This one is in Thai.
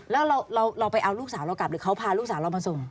แล้วเราไปเอาลูกสาวเรากลับหรือเขาพาลูกสาวเรามาส่ง